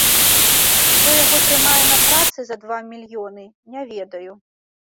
Што яго трымае на працы за два мільёны, не ведаю.